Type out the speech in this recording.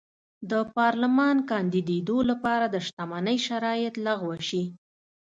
د پارلمان کاندېدو لپاره د شتمنۍ شرایط لغوه شي.